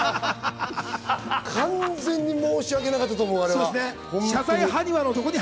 完全に申しわけなかったと思う、あれは。